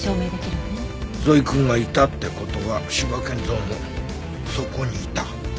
ゾイくんがいたって事は斯波健三もそこにいた。